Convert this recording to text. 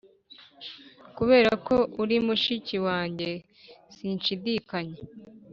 kuberako uri mushiki wanjye sinshidikanya.